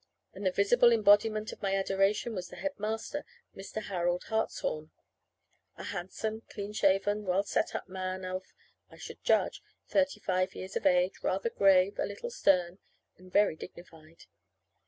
And the visible embodiment of my adoration was the head master, Mr. Harold Hartshorn, a handsome, clean shaven, well set up man of (I should judge) thirty five years of age, rather grave, a little stern, and very dignified.